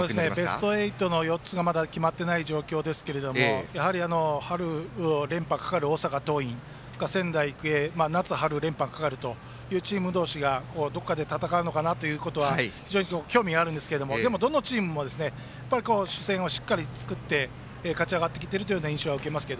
ベスト８の４つがまだ決まっていない状況ですがやはり春連覇がかかる大阪桐蔭と仙台育英、夏春連覇かかるというチーム同士がどこかで戦うのかなということに非常に興味がありますがでも、どのチームもしっかり試合を作って勝ち上がってきているという印象を受けます。